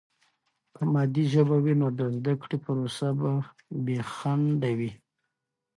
که مادي ژبه وي، نو د زده کړې پروسه به بې خنډه وي.